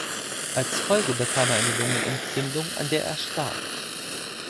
Als Folge bekam er eine Lungenentzündung an der er starb.